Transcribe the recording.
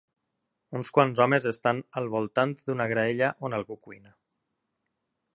Uns quants homes estan al voltant d'una graella on algú cuina.